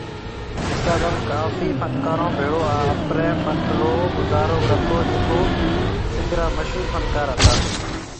استاد انب ڪافي فنڪارون ڀيڙو آپري فن رو مظاھرو ڪرتو جڪي سنڌ را مشھور فنڪار ھتا